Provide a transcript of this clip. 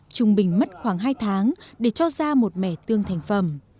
trung bình mất khoảng hai tháng để cho ra một mẻ tương thành phẩm